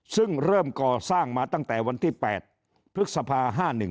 ซึ่งเริ่มก่อสร้างมาตั้งแต่วันที่๘พฤษภา๕๑